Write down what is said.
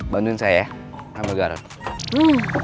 bantuin saya ya ambil garam